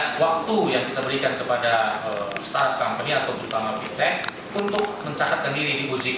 transisi yang kita berikan atau tengah waktu yang kita berikan kepada startup company atau terutama fintech untuk mencatatkan diri di ojk